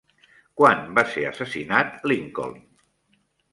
Quan va ser assassinat Lincoln?